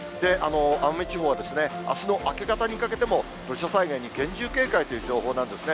奄美地方は、あすの明け方にかけても土砂災害に厳重警戒という情報なんですね。